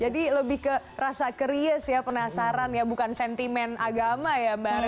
jadi lebih ke rasa kries ya penasaran ya bukan sentimen agama ya mbak arin ya